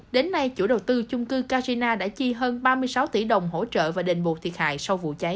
đến nay chủ đầu tư chung cư casina đã chi hơn ba mươi sáu tỷ đồng hỗ trợ và đền bột thiệt hại sau vụ cháy